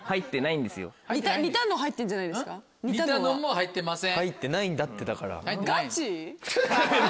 入ってないんだってだから。